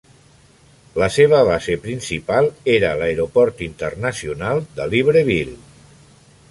La seva base principal era l'Aeroport Internacional de Libreville.